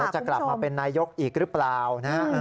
จะกลับมาเป็นนายกอีกหรือเปล่านะฮะ